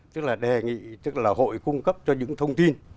tức là đề nghị tức là hội cung cấp cho những thông tin